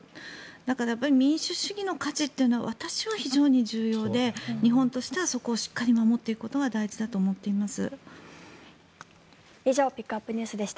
だから民主主義の価値っていうのは私は非常に重要で日本としてはそこをしっかりと守っていくことが大事だと思っています。